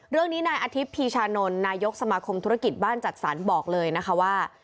เรื่องนี้นายอาทิตย์พีชานนท์นายกสมาคมธุรกิจบ้านจัดสรรบอกเลยนะคะว่า